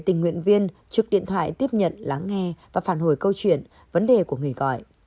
tình nguyện viên trực điện thoại tiếp nhận lắng nghe và phản hồi câu chuyện vấn đề của người gọi